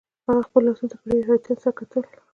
هغه خپلو لاسونو ته په ډیره حیرانتیا سره کتل